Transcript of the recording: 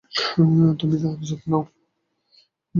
তুমি তার যত্ন নাও।